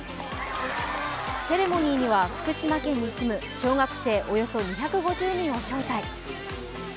セレモニーには福島県に住む小学生およそ２５０人を招待。